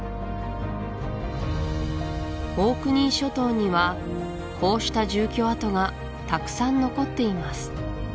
オークニー諸島にはこうした住居跡がたくさん残っています